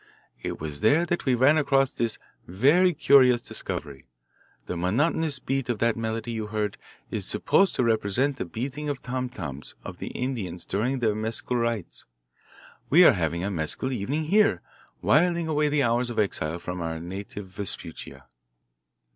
It was there that we ran across this very curious discovery. The monotonous beat of that melody you heard is supposed to represent the beating of the tom toms of the Indians during their mescal rites. We are having a mescal evening here, whiling away the hours of exile from our native Vespuccia."